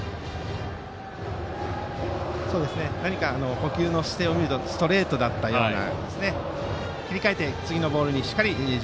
捕球の姿勢を見るとストレートだったんですかね。